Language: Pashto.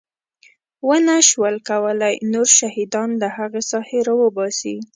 ونه شول کولی نور شهیدان له هغې ساحې راوباسي.